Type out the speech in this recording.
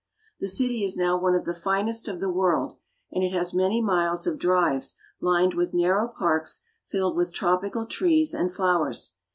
The city is now one of the finest of the world, and it has many miles of drives lined with narrow parks filled with tropical trees and flow ers.